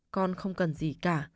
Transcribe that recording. con không cần gì cả